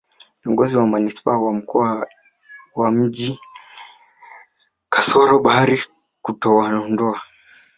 viongozi wa manispaa ya mkoa wa mji kasoro bahari kutowaondoa